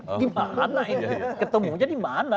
di mana ini ketemunya di mana